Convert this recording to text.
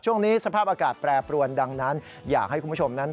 ช่วงนี้สภาพอากาศแปรปรวนดังนั้นอยากให้คุณผู้ชมนั้น